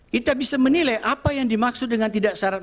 kita bisa menilai apa yang dimaksud dengan tidak saran